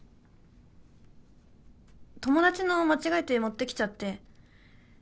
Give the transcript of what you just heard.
友達の間違えて持ってきちゃって。